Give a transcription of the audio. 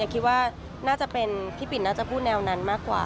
คิดว่าน่าจะเป็นพี่ปิ่นน่าจะพูดแนวนั้นมากกว่า